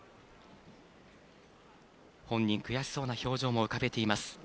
本人、悔しそうな表情も浮かべています。